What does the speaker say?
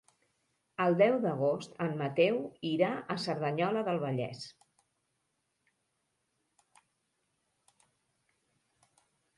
El deu d'agost en Mateu irà a Cerdanyola del Vallès.